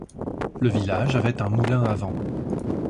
Le village avait un moulin à vent.